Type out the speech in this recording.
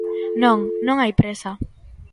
Non, non hai présa.